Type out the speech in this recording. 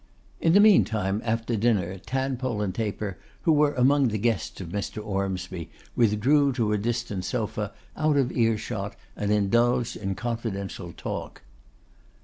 In the meantime, after dinner, Tadpole and Taper, who were among the guests of Mr. Ormsby, withdrew to a distant sofa, out of earshot, and indulged in confidential talk.